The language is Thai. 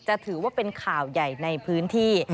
ถือว่าเป็นข่าวใหญ่ในพื้นที่